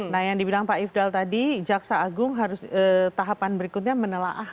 nah yang dibilang pak ifdal tadi jaksa agung harus tahapan berikutnya menelaah